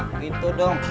mak gitu dong